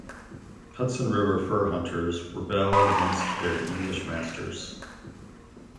Hudson river fur hunters rebel against their English masters.